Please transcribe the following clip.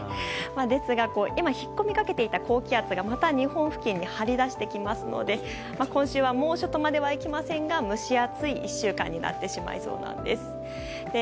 ですが引っ込みかけていた高気圧がまた日本付近に張り出してきますので今週は猛暑とまではいきませんが蒸し暑い１週間になってしまいそうなんです。